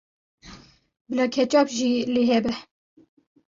Bila ketçap jî lê hebe.